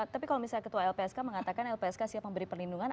tapi kalau misalnya ketua lpsk mengatakan lpsk siap memberi perlindungan